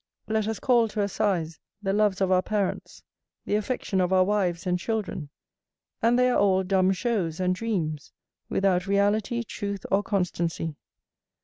Let us call to assize the loves of our parents, the affection of our wives and children, and they are all dumb shows and dreams, without reality, truth, or constancy.